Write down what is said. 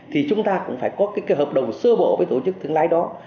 thì chúng ta cũng phải có cái hợp đồng sơ bộ với tổ chức thương lái đó